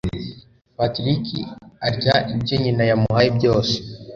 patrick arya ibyo nyina yamuhaye byose